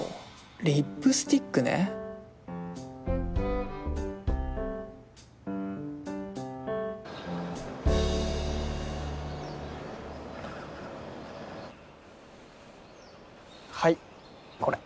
リップスティックねはいこれ。